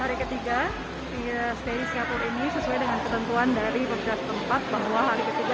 hari ketiga saya di singapore ini sesuai dengan ketentuan dari pekerjaan tempat bahwa hari ketiga